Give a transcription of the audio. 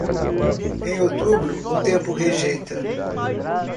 Em outubro, o tempo rejeita.